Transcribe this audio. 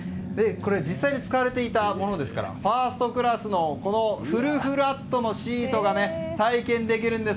実際に使われていたものですからファーストクラスのフルフラットのシートが体験できるんです。